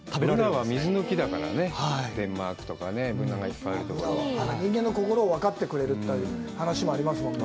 ブナは水の木だからねデンマークとかね人間の心を分かってくれたり話もありますもんね